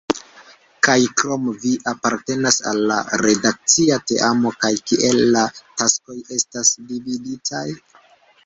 Kiuj krom vi apartenas al la redakcia teamo, kaj kiel la taskoj estas dividitaj?